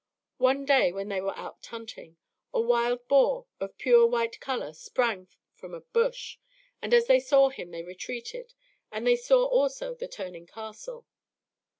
One day when they were out hunting, a wild boar of pure white color sprang from a bush, and as they saw him they retreated, and they saw also the Turning Castle.